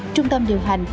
trung tâm điều hành